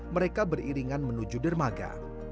mereka beriringan menuju dermaga